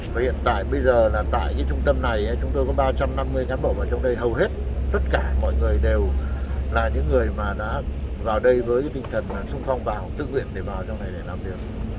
và hiện tại bây giờ là tại cái trung tâm này chúng tôi có ba trăm năm mươi cán bộ ở trong đây hầu hết tất cả mọi người đều là những người mà đã vào đây với tinh thần sung phong vào tự nguyện để vào trong này để làm việc